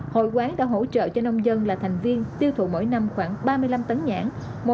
hội quán đã hỗ trợ cho nông dân là thành viên tiêu thụ mỗi năm khoảng ba mươi năm tấn nhãn